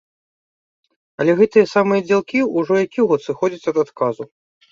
Але гэтыя самыя дзялкі ўжо які год сыходзяць ад адказу!